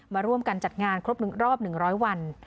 มาร่วมกันจัดงานครบ๑รอบ๑๐๐วัน